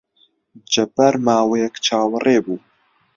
جەبار ماوەیەک چاوەڕێ بوو.